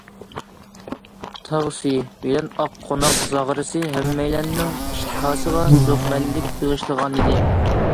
تاغ سۈيى بىلەن ئاق قوناق زاغرىسى ھەممەيلەننىڭ ئىشتىھاسىغا زوقمەنلىك بېغىشلىغانىدى.